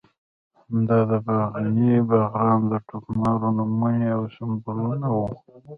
دا د باغني او باغران د ټوکمارو نمونې او سمبولونه وو.